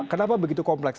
kenapa begitu kompleks